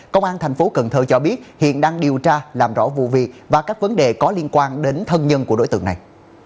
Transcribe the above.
công an tp cn cho biết hiện đang điều tra làm rõ vụ việc và các vấn đề có liên quan đến thân nhân của đối tượng này